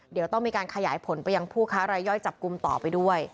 เดี๋ยวต้องมีการขยายผลไปยังผู้ค้ารายย่อยจับกลุ่มต่อไปด้วย